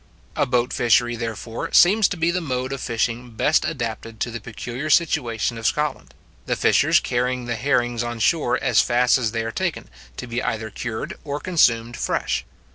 A boat fishery, therefore, seems to be the mode of fishing best adapted to the peculiar situation of Scotland, the fishers carrying the herrings on shore as fast as they are taken, to be either cured or consumed fresh.